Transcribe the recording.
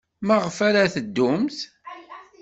Maɣef ara teddumt?